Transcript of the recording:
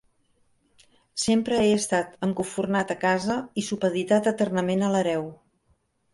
Sempre he estat encofurnat a casa i supeditat eternament a l'hereu.